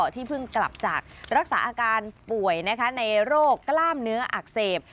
ที่เพิ่งกลับจากรักษาอาการป่วยในโรคกล้ามเนื้ออักเสบ